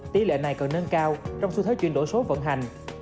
tỷ lệ này cần nâng cao trong xu thế chuyển đổi số vận hành